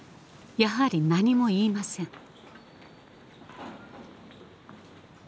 やはり何も言いません。